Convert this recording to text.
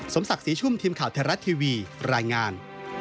ศักดิ์ศรีชุ่มทีมข่าวไทยรัฐทีวีรายงาน